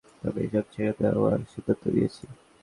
তবে, এসব ছেড়ে দেওয়ার সিদ্ধান্ত নিয়েছি।